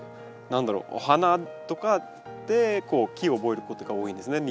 何だろうお花とかで木を覚えることが多いんですね